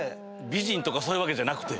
美人とかそういうわけじゃなくて。